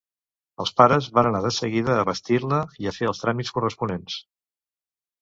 Els pares van anar de seguida a vestir-la i fer els tràmits corresponents.